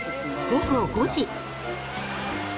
午後５時。